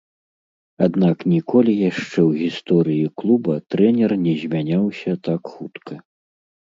Аднак ніколі яшчэ ў гісторыі клуба трэнер не змяняўся так хутка.